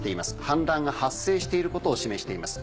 氾濫が発生していることを示しています。